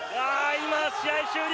今、試合終了！